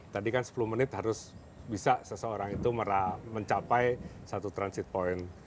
tadi kan sepuluh menit harus bisa seseorang itu mencapai satu transit point